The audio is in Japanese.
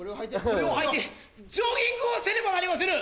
これをはいてジョギングをせねばなりませぬ！